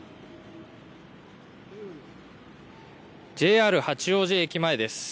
ＪＲ八王子駅前です。